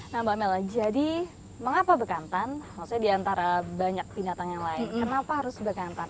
nah mbak amel jadi mengapa bekantan maksudnya diantara banyak binatang yang lain kenapa harus bekantan